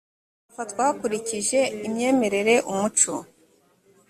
afatwa hakurikije imyemerereye umuco